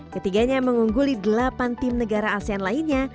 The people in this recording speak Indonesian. ketiganya mengungguli delapan tim negara asean lainnya